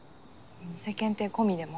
世間体込みでも？